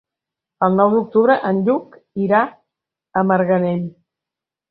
El nou d'octubre en Lluc irà a Marganell.